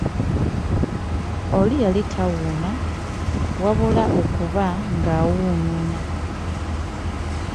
Oli yali tawuuna, wabula okuba ng’awunnuuna.